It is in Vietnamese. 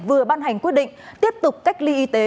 vừa ban hành quyết định tiếp tục cách ly y tế